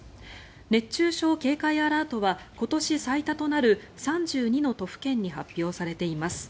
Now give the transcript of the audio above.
熱中症警戒アラートは今年最多となる３２の都府県に発表されています。